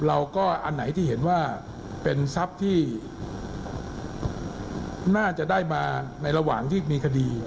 อันไหนที่เห็นว่าเป็นทรัพย์ที่น่าจะได้มาในระหว่างที่มีคดี